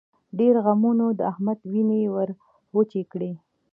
ډېرو غمونو د احمد وينې ور وچې کړې.